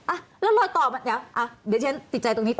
อ่ะแล้วรอยต่อเดี๋ยวฉันติดใจตรงนี้ต่อ